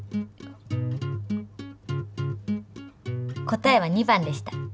答えは２番でした。